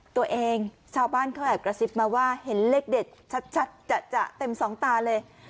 ชาวบ้านเขาแอบกระซิบมาว่าเห็นเลขเด็ดชัดจะเต็มสองตาเลย